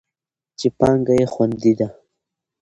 چې پانګه یې خوندي ده.